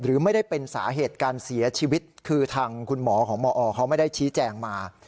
หรือไม่ได้เป็นสาเหตุการเสียชีวิตคือทางคุณหมอของมอเขาไม่ได้ชี้แจงมา